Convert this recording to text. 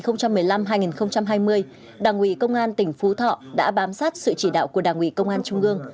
trong nhiệm kỳ hai nghìn một mươi năm hai nghìn hai mươi đảng uỷ công an tỉnh phú thọ đã bám sát sự chỉ đạo của đảng uỷ công an trung ương